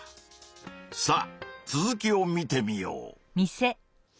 さあ続きを見てみよう。